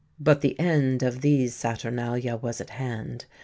But the end of these saturnalia was at hand.